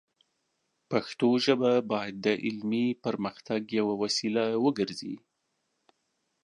پښتو ژبه باید د علمي پرمختګ یوه وسیله وګرځي.